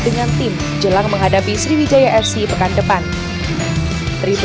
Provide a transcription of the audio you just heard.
dan juga menentukan permainan dengan tim